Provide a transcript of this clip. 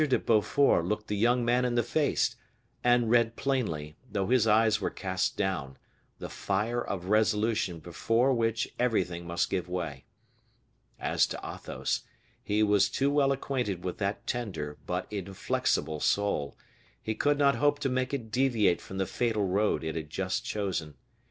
de Beaufort looked the young man in the face, and read plainly, though his eyes were cast down, the fire of resolution before which everything must give way. As to Athos, he was too well acquainted with that tender, but inflexible soul; he could not hope to make it deviate from the fatal road it had just chosen.